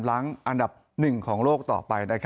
หลังอันดับ๑ของโลกต่อไป